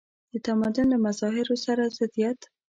د تمدن له مظاهرو سره ضدیت.